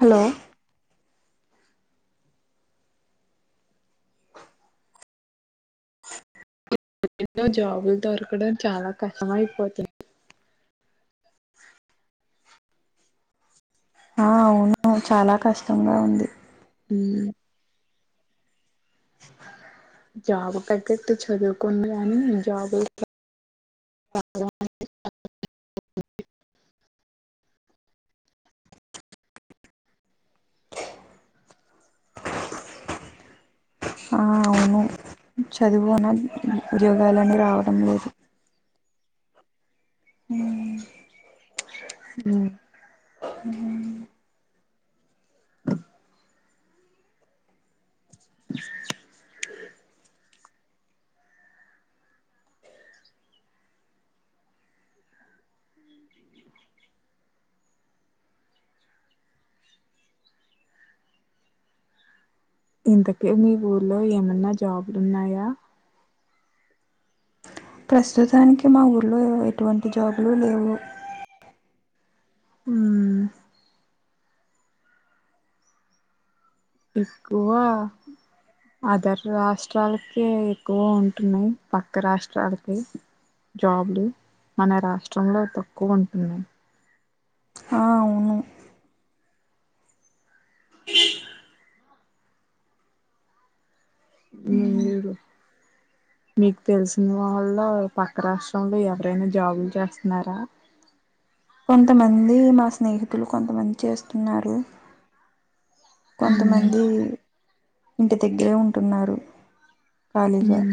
Hello జాబుల్ దొరకడం చాలా కష్టం అయిపోతుంది ఆ అవును చాలా కష్టంగా ఉంది హు జాబ్ కగ్గట్టు చదువుకున్నా కాని జాబ్... చదువున్న. ఉద్యోగాలన్నీ. రావడం లేదు. హు ఉమ్, ఊ ఇంతకే మీ ఊల్లో ఏమన్నా జాబులున్నాయా ప్రస్తుతానికి మా ఊర్లో ఎటువంటి జాబులు లేవు ఉమ్ ఏక్కువ అదర్ రాష్ట్రాలకే ఎక్కువ ఉంటున్నాయి పక్క రాష్ట్రాలకి జాబ్లు మన రాష్ట్రంలో తక్కువ ఉంటున్నాయి ఆ అవును పీప్ మీరు మీకు తెలిసిన వాళ్ళ పక్క రాష్ట్రంలో ఎవరైనా జాబులు చేస్తున్నారా కొంతమంది మా స్నేహితులు కొంతమంది చేస్తున్నారు కొంతమంది ఇంటి దగ్గరే ఉంటున్నారు కళీగా ఉమ్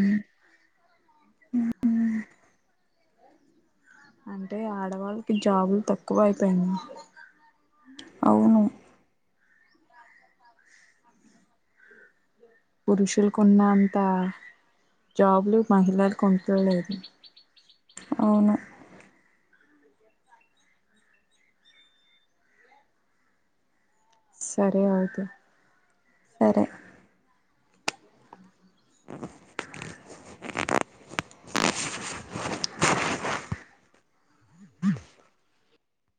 అంటే ఆడవాళ్ళకి జాబులు తక్కువ అయిపోయింది అవును పురుషులలకున్నంత జాబ్లు మహిళలు కొండలేదు అవును సరే అవుదు సరే